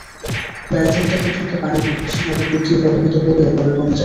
বেলা তিনটা পর্যন্ত পানি বিপৎসীমার ওপর দিয়ে প্রবাহিত হলেও পরে কমে যায়।